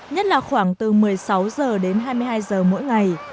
nhất là khoảng từ một mươi sáu h đến hai mươi hai giờ mỗi ngày